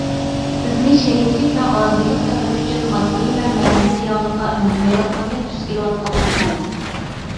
بىزنى شەھىدلىك ۋە غازىيلىق سەپىرى ئۈچۈن ماددىي ۋە مەنىۋى تەييارلىققا ئۈندىمەيۋاتقاندەك تۈس ئېلىۋاتقانلىقى مەلۇم.